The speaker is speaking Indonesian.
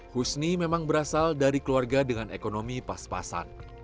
husni memang berasal dari keluarga dengan ekonomi pas pasan